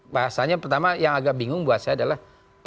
bahasanya pertama yang agak bingung buat saya adalah